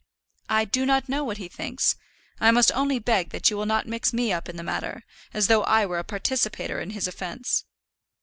"I do not know what he thinks; I must only beg that you will not mix me up in the matter as though I were a participator in his offence."